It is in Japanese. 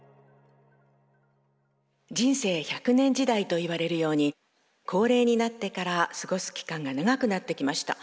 人生１００年時代といわれるように高齢になってから過ごす期間が長くなってきました。